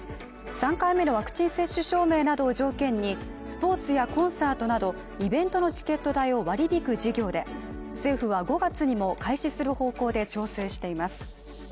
３回目のワクチン接種証明などを条件にスポーツやコンサートなどイベントのチケット代を割り引く事業で、政府は５月にも開始する方向で調整しています。